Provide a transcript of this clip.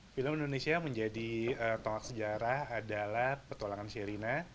film indonesia menjadi tolak sejarah adalah petualangan sherina